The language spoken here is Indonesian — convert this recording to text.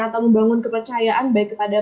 atau membangun kepercayaan baik kepada